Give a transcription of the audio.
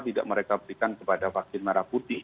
tidak mereka berikan kepada vaksin merah putih